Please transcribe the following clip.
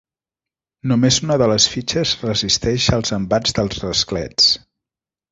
Només una de les fitxes resisteix els embats dels rasclets.